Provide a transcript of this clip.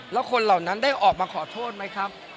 แล้วคนเหล่านั้นได้ออกมาขอโทษไหมครับ